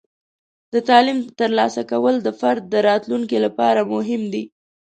د تعلیم ترلاسه کول د فرد د راتلونکي لپاره مهم دی.